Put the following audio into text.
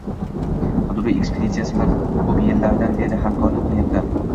qidiruv ekspeditsiyasi bilan ko‘p yillardan beri hamkorlik qilyapti.